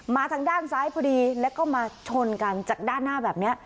ทางด้านซ้ายพอดีแล้วก็มาชนกันจากด้านหน้าแบบนี้